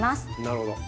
なるほど。